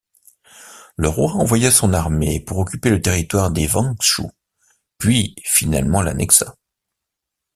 Le roi envoya son armée pour occuper le territoire de Wangshu, puis finalement l'annexa.